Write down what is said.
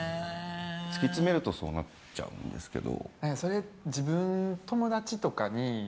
突き詰めるとそうなっちゃうんですけど。